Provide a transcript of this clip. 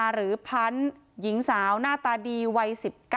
หรือพันธุ์หญิงสาวหน้าตาดีวัย๑๙